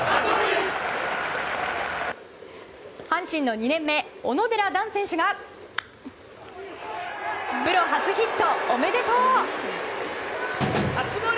阪神２年目、小野寺暖選手がプロ初ヒットおめでとう！